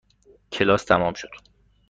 کلاس تمام شد.